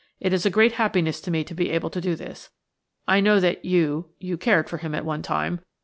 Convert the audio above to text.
"It is a great happiness to me to be able to do this. ... I know that you–you cared for him at one time. ..